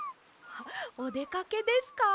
おでかけですか？